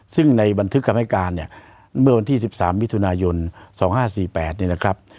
ซึ่งในบันทึกคำให้การเนี่ยเมื่อวันที่๑๓มิถุนายน๒๕๔๘เนี่ยนะครับ